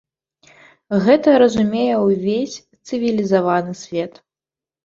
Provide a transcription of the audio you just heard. Гэта разумее ўвесь цывілізаваны свет.